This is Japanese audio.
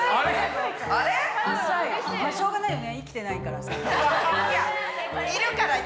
しょうがないよね生きてないからさ。